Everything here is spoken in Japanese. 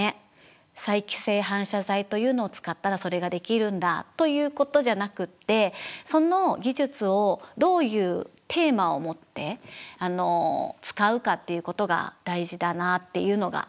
再帰性反射材というのを使ったらそれができるんだということじゃなくてその技術をどういうテーマを持って使うかっていうことが大事だなっていうのがあって。